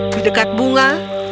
di dekat bunga